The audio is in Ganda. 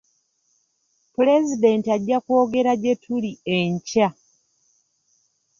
Pulezidenti ajja kwogerako gye tuli enkya.